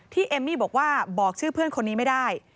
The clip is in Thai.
เอมมี่บอกว่าบอกชื่อเพื่อนคนนี้ไม่ได้